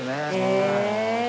へえ！